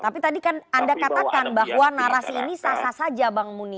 tapi tadi kan anda katakan bahwa narasi ini sah sah saja bang muni